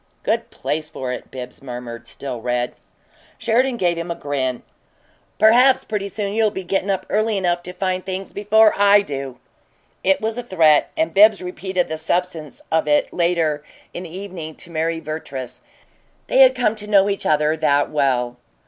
"Good place for it," Bibbs murmured, still red. Sheridan gave him a grin. "Perhaps pretty soon you'll be gettin' up early enough to find things before I do!" It was a threat, and Bibbs repeated the substance of it, later in the evening, to Mary Vertrees they had come to know each other that well.